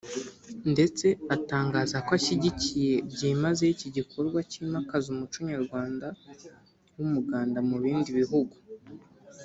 ndetse atangaza ko ashyigikiye byimazeyo iki gikorwa cyimakaza umuco Nyarwanda w’umuganda mu bindi bihugu